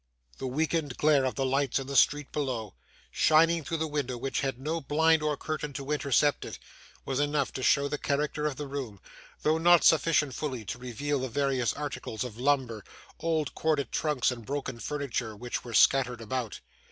The weakened glare of the lights in the street below, shining through the window which had no blind or curtain to intercept it, was enough to show the character of the room, though not sufficient fully to reveal the various articles of lumber, old corded trunks and broken furniture, which were scattered about.